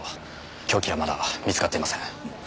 凶器はまだ見つかっていません。